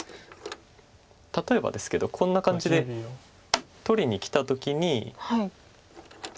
例えばですけどこんな感じで取りにきた時に。